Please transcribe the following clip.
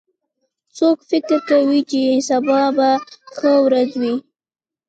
څوک فکر کوي چې سبا به ښه ورځ وي